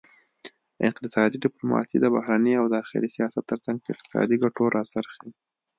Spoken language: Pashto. اقتصادي ډیپلوماسي د بهرني او داخلي سیاست ترڅنګ په اقتصادي ګټو راڅرخي